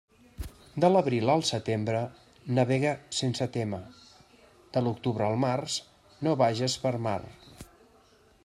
De l'abril al setembre, navega sense témer; de l'octubre al març, no vages per mar.